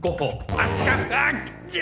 あっぎゃ！